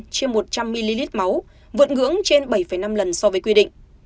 trên một trăm linh ml máu vượt ngưỡng trên bảy năm lần so với quy định